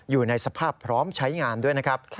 อยู่ในสภาพพร้อมใช้งานด้วยนะครับ